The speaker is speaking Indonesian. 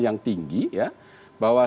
yang tinggi ya bahwa